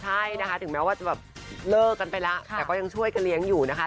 ใช่นะคะถึงแม้ว่าจะแบบเลิกกันไปแล้วแต่ก็ยังช่วยกันเลี้ยงอยู่นะคะ